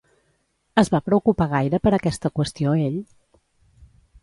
Es va preocupar gaire per aquesta qüestió ell?